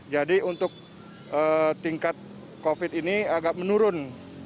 jadi untuk tingkat covid ini agak menurun